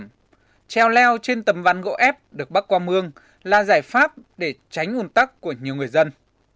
trên lấn treo leo trên tầm văn gỗ ép được bắt qua mương là giải pháp để tránh ùn tắc của nhiều người dân